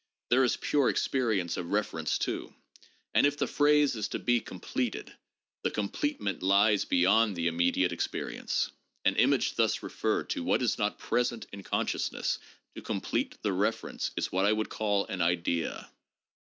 There is pure experience of reference to ; and if the phrase is to be completed, the comple ment lies beyond the immediate experience. An image thus referred to what is not present in consciousness to complete the reference, is what I should call an ' idea.'